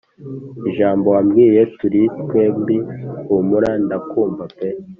ijambo wambwiye turi twembi humura ndakumva pe